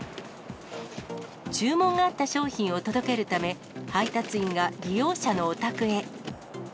注文があった商品を届けるため、配達員が利用者のお宅へ。